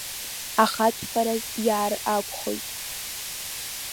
Ахаатәфараз иаар акәхоит…